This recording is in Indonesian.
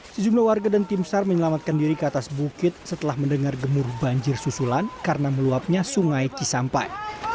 sejumlah warga dan tim sar menyelamatkan diri ke atas bukit setelah mendengar gemur banjir susulan karena meluapnya sungai cisampai